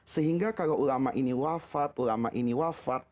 sehingga kalau ulama ini wafat ulama ini wafat